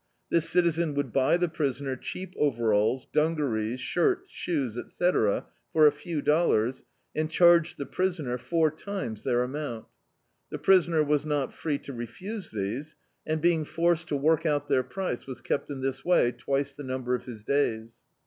This citizen would buy the prisoner cheap overalls, dungarees, shirts, shoes, etc., for a few dollars, and charge the prisoner four times their amount. The prisoner was not free to refuse these, and being forced to work out their price, was kept in this way twice the number of his days.